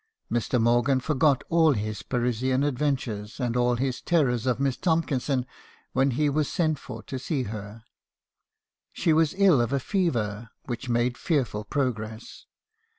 Mr. Morgan forgot all his Parisian adventures, and all his terror of Miss Tomkinson , when he was sent for to see her. She was ill of a fever, which made fearful progress.